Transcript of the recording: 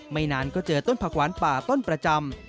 นานก็เจอต้นผักหวานป่าต้นประจำ